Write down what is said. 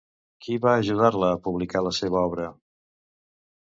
Qui va ajudar-la a publicar la seva obra?